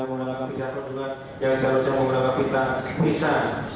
yang selalu menangkap visa